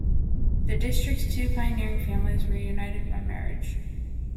The district's two pioneering families were united by marriage.